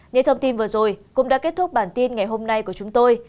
những thông tin vừa rồi cũng đã kết thúc bản tin ngày hôm nay của chúng tôi